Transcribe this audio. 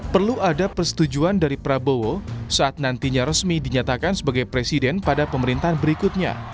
perlu ada persetujuan dari prabowo saat nantinya resmi dinyatakan sebagai presiden pada pemerintahan berikutnya